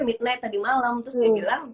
midnight tadi malam terus dia bilang